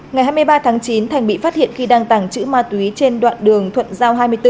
ngày hai mươi ba tháng chín thành bị phát hiện khi đang tàng trữ ma túy trên đoạn đường thuận giao hai mươi bốn